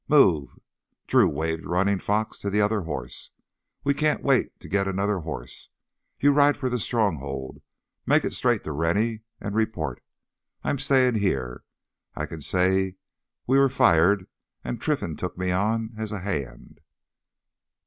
"Move!" Drew waved Running Fox to the other horse. "We can't wait to get another horse. You ride for the Stronghold, make it straight to Rennie and report. I'm stayin' here. I can say we were fired and Trinfan took me on as a hand."